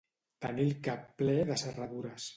Tenir el cap ple de serradures.